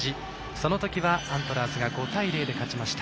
その時はアントラーズが５対０で勝ちました。